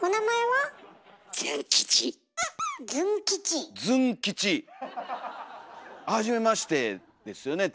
はじめましてですよね